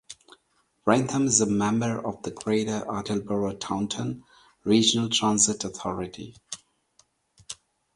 Wrentham is a member of the Greater Attleboro Taunton Regional Transit Authority.